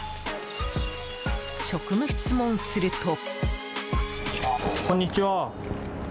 職務質問すると。